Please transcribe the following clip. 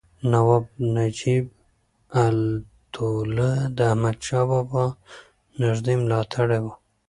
نواب نجیب الدوله د احمدشاه بابا نږدې ملاتړی و.